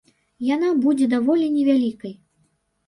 Яна будзе даволі невялікай.